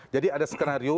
jadi ada skenario